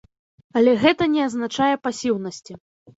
Але гэта не азначае пасіўнасці.